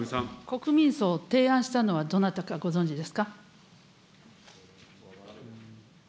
国民葬を提案したのはどなたかご存じですか。